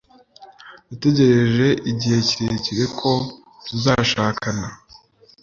Nategereje igihe kirekire ko tuzashakana.